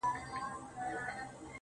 ای د نشې د سمرقند او بُخارا لوري~